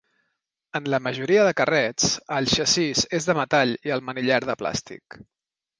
En la majoria de carrets, el xassís és de metall i el manillar de plàstic.